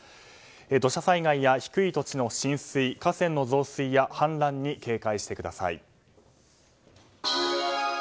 土砂災害や低い土地の浸水河川の増水や氾濫に警戒してください。